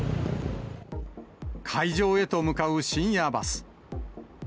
会場へと向かう深夜バス。